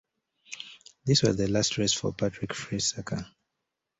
This was the last race for Patrick Friesacher.